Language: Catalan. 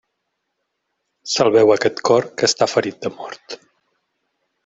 Salveu aquest cor, que està ferit de mort.